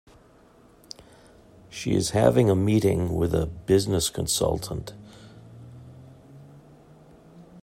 She is having a meeting with a business consultant.